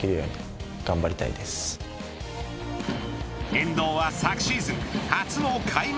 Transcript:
遠藤は昨シーズン初の開幕